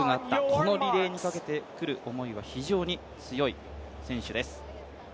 このリレーにかけてくる思いは非常に強い選手です。